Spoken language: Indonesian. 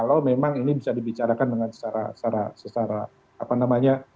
kalau memang ini bisa dibicarakan dengan secara sesara apa namanya